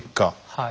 はい。